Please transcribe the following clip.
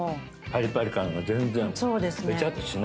パリパリ感が全然。